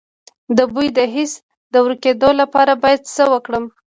د بوی د حس د ورکیدو لپاره باید څه وکړم؟